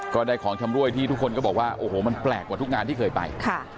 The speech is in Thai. ก็ได้ของชำรวยที่ทุกคนก็บอกว่าโอ้โหมันแปลกกว่าทุกงานที่เคยไป